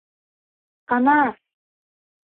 Кана-аш!